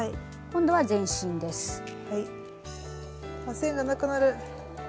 線がなくなる！